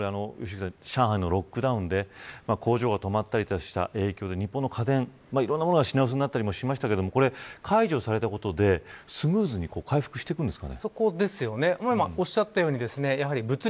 上海のロックダウンで工場が止まったりした影響で日本の家電いろんなものが品薄になったりしましたけど解除されたことでスムーズに回復するんですか。